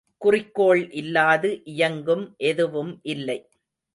குறிக்கோள் இலாது இயங்கும் எதுவும் இல்லை.